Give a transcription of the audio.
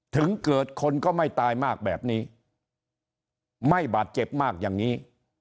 ถึงเกิดคนก็ไม่ตายมากแบบนี้ไม่บาดเจ็บมากอย่างนี้